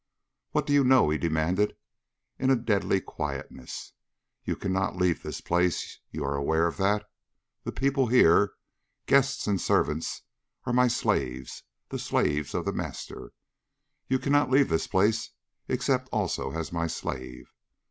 "What do you know?" he demanded in a deadly quietness. "You cannot leave this place. You are aware of that. The people here guests and servants are my slaves, the slaves of The Master. You cannot leave this place except also as my slave.